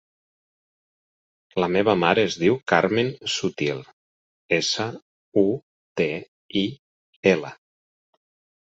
La meva mare es diu Carmen Sutil: essa, u, te, i, ela.